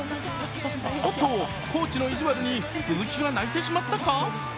おっと、コーチの意地悪に鈴木が泣いてしまったか？